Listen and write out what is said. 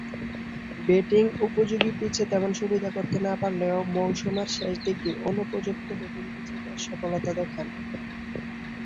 Batting উপযোগী পিচে তেমন সুবিধা করতে না পারলেও মৌসুমের শেষদিকে অনুপযুক্ত ব্যাটিং পিচে বেশ সফলতা দেখান।